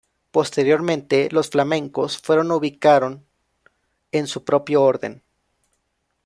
Posteriormente los flamencos fueron ubicaron en su propio orden.